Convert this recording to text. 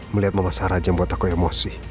melihat mama sarah aja membuat aku emosi